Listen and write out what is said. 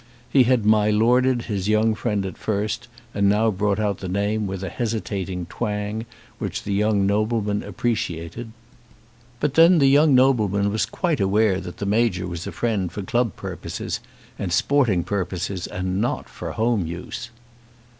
He had my Lorded his young friend at first, and now brought out the name with a hesitating twang, which the young nobleman appreciated. But then the young nobleman was quite aware that the Major was a friend for club purposes, and sporting purposes, and not for home use.